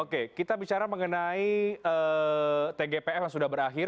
oke kita bicara mengenai tgpf yang sudah berakhir